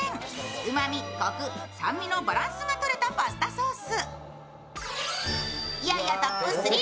うまみ、コク、酸味のバランスがとれたパスタソース。